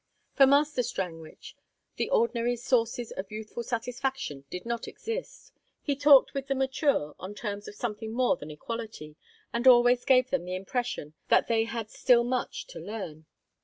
For Master Strangwich the ordinary sources of youthful satisfaction did not exist; he talked with the mature on terms of something more than equality, and always gave them the impression that they had still much to learn.